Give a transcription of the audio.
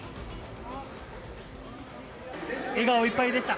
笑顔いっぱいでした。